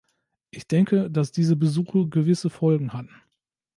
Ich denke, dass diese Besuche gewisse Folgen hatten.